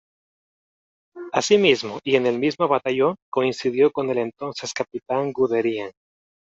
Así mismo, y en el mismo Batallón, coincidió con el entonces Capitán Guderian.